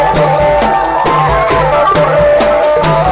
สวัสดีครับ